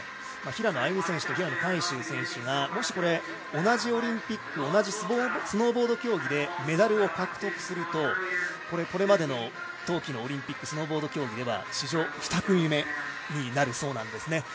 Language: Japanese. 平野歩夢選手と海祝選手がもし同じオリンピック、同じスノーボード競技でメダルを獲得するとこれまでの冬季のオリンピックスノーボード競技では史上２組目になるそうなんですね。